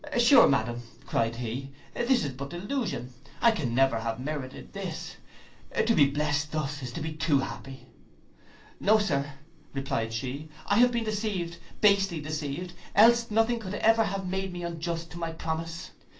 —'Sure, madam,' cried he, 'this is but delusion! I can never have merited this! To be, blest thus is to be too happy.'—'No, Sir,' replied she, 'I have been deceived, basely deceived, else nothing could have ever made me unjust to my promise.